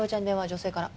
女性から。